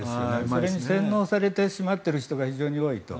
それに洗脳されてしまっている人が非常に多いと。